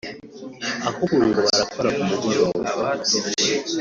ahubwo ngo barakora ku mugoroba